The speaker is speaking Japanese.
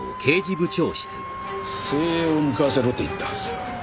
精鋭を向かわせろと言ったはずだ。